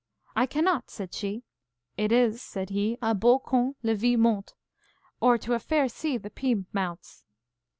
I cannot, said she. It is, said he, a beau con le vit monte, or to a fair c. . .the pr. . .mounts.